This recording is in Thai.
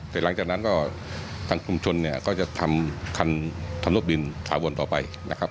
แต่หลังจากนั้นก็ทางคุมชนก็จะทำทำลดบินสาวนต่อไป